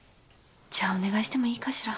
じゃあお願いしてもいいかしら？